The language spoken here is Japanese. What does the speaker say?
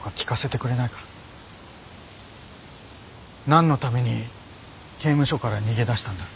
何のために刑務所から逃げ出したんだ？